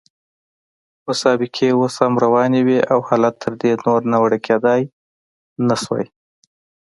مسابقې اوس هم روانې وې او حالت تر دې نور ناوړه کېدای نه شو.